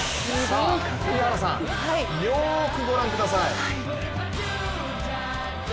栗原さん、よく御覧ください。